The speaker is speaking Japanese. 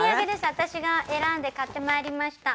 私が選んで買ってまいりました。